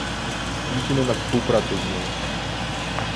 Liczymy na współpracę z nią